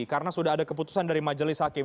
karena sudah ada keputusan dari majelis hakim